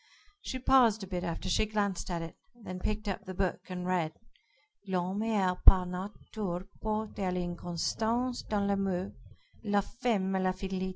She paused a bit after she glanced at it, then picked up the book and read: "'_L'homme est par Nature porté à l'inconstance dans l'amour, la femme à la fidelité.